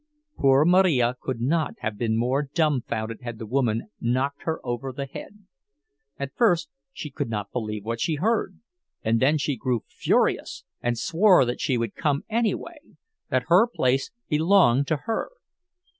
Poor Marija could not have been more dumfounded had the woman knocked her over the head; at first she could not believe what she heard, and then she grew furious and swore that she would come anyway, that her place belonged to her.